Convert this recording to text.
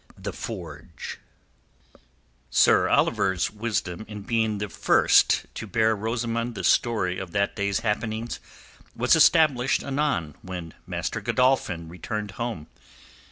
THE FORGE Sir Oliver's wisdom in being the first to bear Rosamund the story of that day's happenings was established anon when Master Godolphin returned home.